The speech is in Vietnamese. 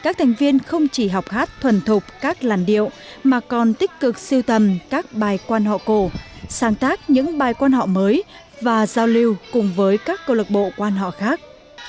các thành viên không chỉ học hát thuần thục các làn điệu mà còn tích cực siêu tầm các bài quan họ cổ sáng tác những bài quan họ mới và giao lưu cùng với các câu lạc bộ quan họ khác